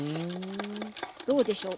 どうでしょう？